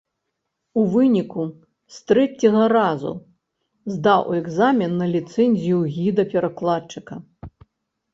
У выніку з трэцяга разу здаў экзамен на ліцэнзію гіда-перакладчыка.